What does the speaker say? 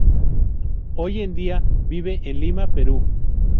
Hoy en día vive en Lima, Perú.